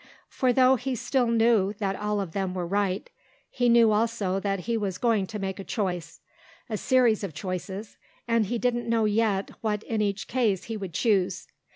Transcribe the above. For though he still knew that all of them were right, he knew also that he was going to make a choice, a series of choices, and he didn't know yet what in each case he would choose.